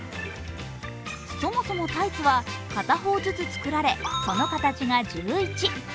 そもそもタイツは片方ずつ作られその形が１１。